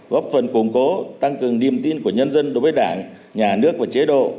góp phần củng cố tăng cường niềm tin của nhân dân đối với đảng nhà nước và chế độ